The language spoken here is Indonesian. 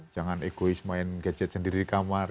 jangan egois main gadget sendiri di kamar